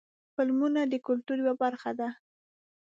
فلمونه د کلتور یوه برخه ده.